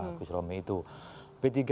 seperti apa kasusnya